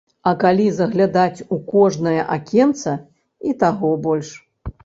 А калі заглядаць у кожнае акенца і таго больш.